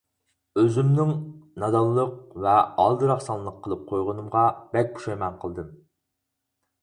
ئۆزۈمنىڭ نادانلىق ۋە ئالدىراقسانلىق قىلىپ قويغىنىمغا بەك پۇشايمان قىلدىم.